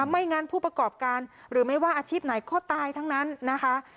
ไม่งั้นผู้ประกอบการหรือไม่ว่าอาชีพไหนก็ตายทั้งนั้นนะคะ